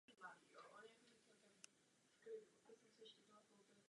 Vyskytuje se také v Severní Americe.